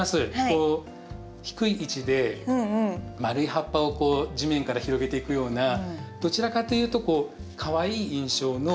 こう低い位置で丸い葉っぱを地面から広げていくようなどちらかというとかわいい印象の。